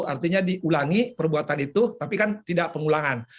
artinya diulangi perbuatan itu tapi kan tidak pengulangan